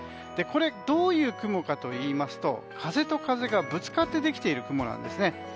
これ、どういう雲かといいますと風と風がぶつかってできている雲なんですね。